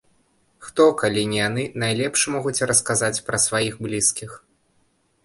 Хто, калі не яны, найлепш могуць расказаць пра сваіх блізкіх.